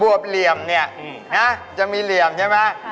วบเหลี่ยมเนี่ยนะจะมีเหลี่ยมใช่ไหม